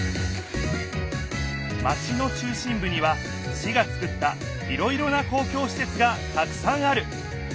マチの中心ぶには市がつくったいろいろな公共しせつがたくさんある。